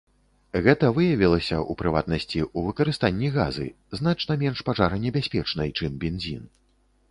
Гэта выявілася, у прыватнасці, у выкарыстанні газы, значна менш пажаранебяспечнай, чым бензін.